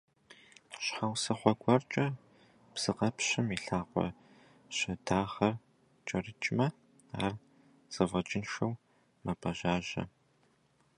Щхьэусыгъуэ гуэркӀэ псыкъэпщым и лъакъуэ щэдагъэр кӀэрыкӀмэ, ар зэфӀэкӀыншэу мэпӀэжьажьэ.